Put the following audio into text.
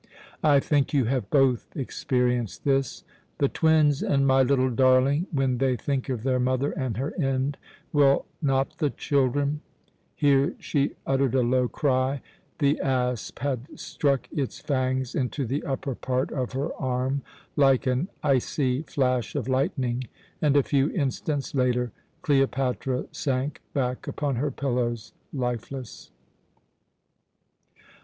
I think you have both experienced this. The twins and my little darling When they think of their mother and her end, will not the children " Here she uttered a low cry. The asp had struck its fangs into the upper part of her arm like an icy flash of lightning, and a few instants later Cleopatra sank back upon her pillows lifeless.